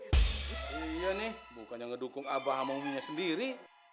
iya nih bukannya ngedukung abah sama umi nya sendiri